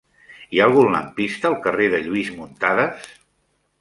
Hi ha algun lampista al carrer de Lluís Muntadas?